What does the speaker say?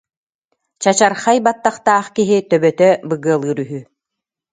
чачархай баттахтаах киһи төбөтө быгыалыыр үһү